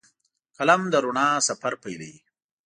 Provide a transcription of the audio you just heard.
قلم د رڼا سفر پیلوي